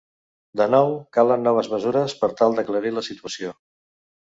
De nou, calen noves mesures per tal d'aclarir la situació.